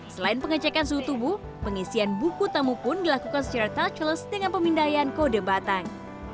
selain pengecekan suhu tubuh pengisian buku tamu pun dilakukan secara touchless dengan pemindaian kode batang